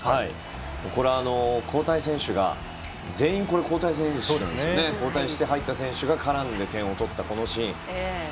これは全員交代して入った選手が絡んで点を取ったシーン。